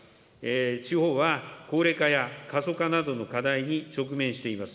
地方は高齢化や過疎化などの課題に直面しています。